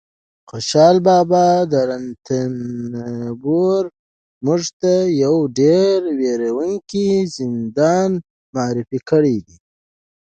خوشحال بابا رنتنبور موږ ته یو ډېر وېروونکی زندان معرفي کړی دی